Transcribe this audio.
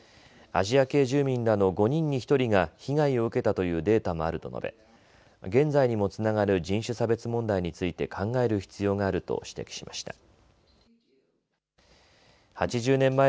アジア系住民らの５人に１人が被害を受けたというデータもあると述べ現在にもつながる人種差別問題について考える必要があると指摘しました。